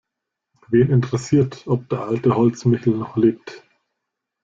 Wen interessiert, ob der alte Holzmichl noch lebt?